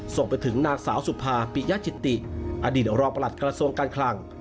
ส่งไปถึงนางสาวสุภาปิยจิติอดีตรองประหลัดกระทรวงการคลัง